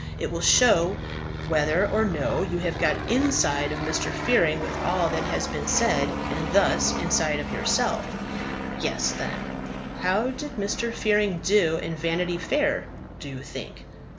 It will show whether or no you have got inside of Mr. Fearing with all that has been said; and thus, inside of yourself. Guess, then. How did Mr. Fearing do in Vanity Fair, do you think?